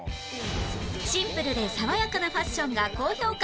シンプルで爽やかなファッションが高評価